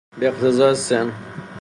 به اقتضاء سن